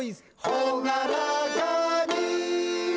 「ほがらかに！」